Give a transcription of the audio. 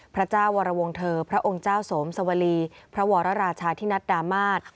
พระเจ้าวรวงเธอพระองค์เจ้าสวมสวรีพระวรราชาธินัดดามาศ